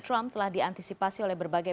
trump telah diantisipasi oleh berbagai